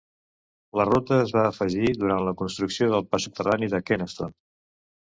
La ruta es va afegir durant la construcció del pas subterrani de Kenaston.